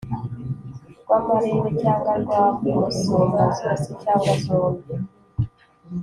rwa marere cyangwa rwa musumba zose cyangwa zombi